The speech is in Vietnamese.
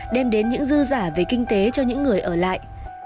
đem đến những dư giả về kinh tế cho những người ở lại